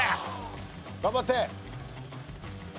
頑張って！